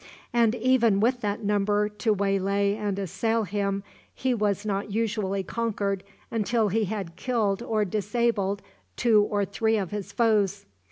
And even with that number to waylay and assail him he was not usually conquered until he had killed or disabled two or three of his foes.